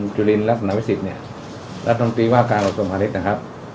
จุลินรัฐสนาวิสิทธิ์เนี่ยรัฐธรรมดีว่าการอบสมภาษณ์ฮฤทธิ์นะครับ